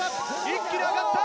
一気に上がった！